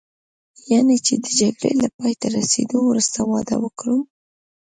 یعنې د جګړې له پایته رسېدو وروسته واده وکړم.